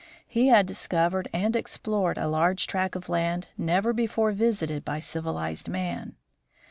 He had discovered and explored a large tract of land never before visited by civilized men.